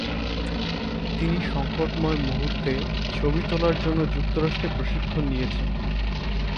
তিনি সংকটময় মুহুর্তে ছবি তোলার জন্য যুক্তরাজ্যে প্রশিক্ষণ নিয়েছিলেন।